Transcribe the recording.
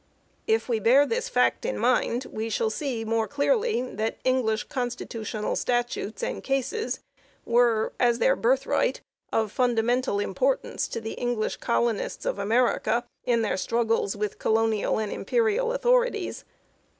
2 If we bear this fact in mind, we shall see the more clearly that English constitutional statutes and cases were, as their " birthright," of fundamental importance to the English colonists of America in their struggles with colonial and imperial authorities.